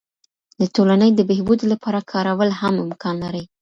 د ټولني د بهبود لپاره کارول هم امکان لري.